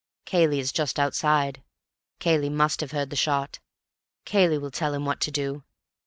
"Cayley is just outside, Cayley must have heard the shot, Cayley will tell him what to do.